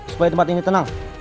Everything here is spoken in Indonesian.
supaya tempat ini tenang